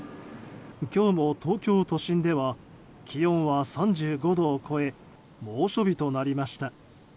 今日も東京都心では気温は３５度を超え猛暑日となりました。